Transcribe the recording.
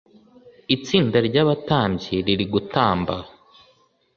itsinda ry’abatambyi riri gutamba